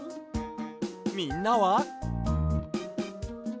みんなは？